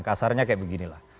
kasarnya kayak beginilah